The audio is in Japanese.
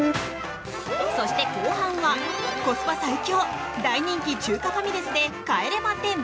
そして後半は、コスパ最強大人気中華ファミレスで帰れま１０。